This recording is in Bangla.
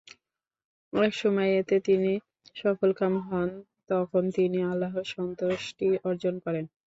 একসময় এতে তিনি সফলকাম হন, তখন তিনি আল্লাহর সন্তুষ্টি অর্জন করেন।